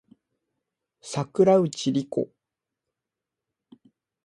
桜内梨子